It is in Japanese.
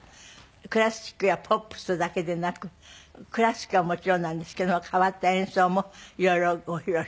クラシックやポップスだけでなくクラシックはもちろんなんですけども変わった演奏も色々ご披露していらっしゃいます。